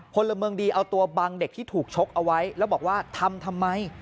พลเมืองดีเอาตัวบังเด็กที่ถูกชกเอาไว้แล้วบอกว่าทำทำไม